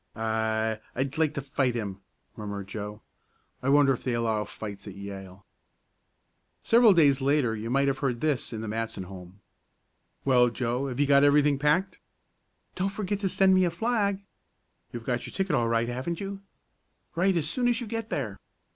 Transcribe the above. "I I'd like to fight him!" murmured Joe. "I wonder if they allow fights at Yale?" Several days later you might have heard this in the Matson home. "Well, Joe, have you got everything packed?" "Don't forget to send me a flag." "You've got your ticket all right, haven't you?" "Write as soon as you get there."